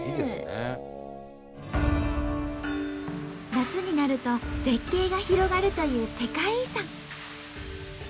夏になると絶景が広がるという世界遺産。